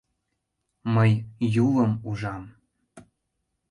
— Мый Юлым ужам!